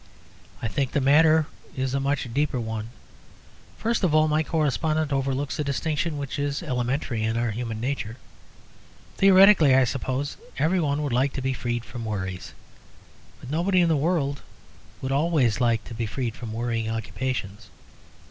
I think the matter is a much deeper one. First of all, my correspondent overlooks a distinction which is elementary in our human nature. Theoretically, I suppose, every one would like to be freed from worries. But nobody in the world would always like to be freed from worrying occupations.